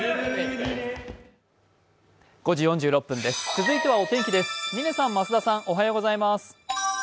続いてはお天気です。